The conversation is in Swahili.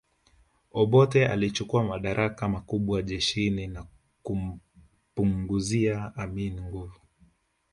Obote alichukua madaraka makubwa jeshini na kumpunguzia Amin nguvu